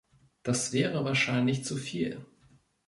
Das wäre wahrscheinlich zu viel.